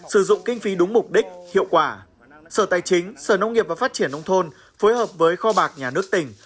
sử dụng kinh phí đúng mục đích hiệu quả sở tài chính sở nông nghiệp và phát triển nông thôn phối hợp với kho bạc nhà nước tỉnh